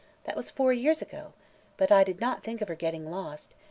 That was four years ago. But I did not think of her getting lost.